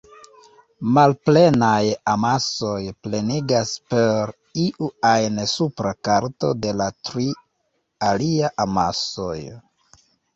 Malplenaj amasoj plenigas per iu ajn supra karto de la tri alia amasoj.